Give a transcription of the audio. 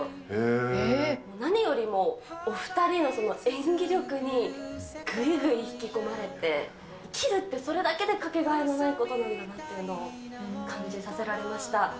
もう何よりも、お２人の演技力にぐいぐい引き込まれて、生きるってそれだけで掛けがえのないことなんだなっていうのを感じさせられました。